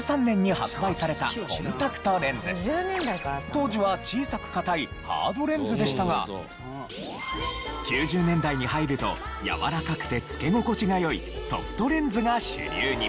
当時は小さく硬いハードレンズでしたが９０年代に入るとやわらかくて着け心地が良いソフトレンズが主流に。